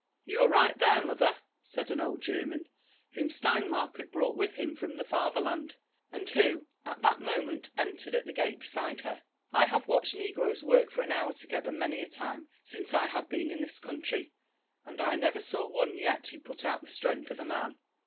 You're right (here, mother," said an old German whom Stein mark had brought with him from the Fatherland, and who at that mo ment entered at the gate beside her. *' I have watched negroes work tor an heur togetheir, many a time, since I have been in this country, and I Dovor saw one yet who put out the stren^h of a man.